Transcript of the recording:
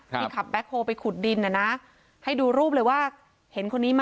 ที่ขับแบ็คโฮลไปขุดดินน่ะนะให้ดูรูปเลยว่าเห็นคนนี้ไหม